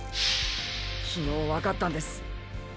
昨日わかったんです。